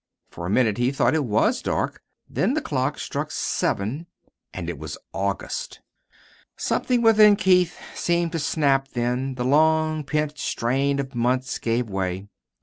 For a minute he thought it WAS dark; then the clock struck seven and it was August. Something within Keith seemed to snap then. The long pent strain of months gave way.